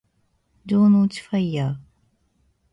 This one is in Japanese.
城之内ファイアー